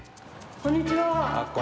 こんにちは。